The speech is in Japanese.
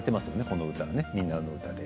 この曲「みんなのうた」で。